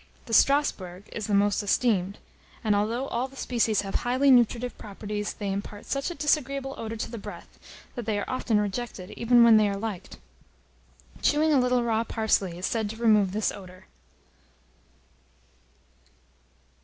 The Strasburg is the most esteemed; and, although all the species have highly nutritive properties, they impart such a disagreeable odour to the breath, that they are often rejected even where they are liked. Chewing a little raw parsley is said to remove this odour.